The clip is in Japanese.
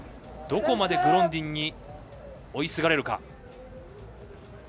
どこまでグロンディンに追いすがれるか。